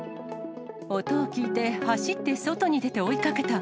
音を聞いて、走って外に出て追いかけた。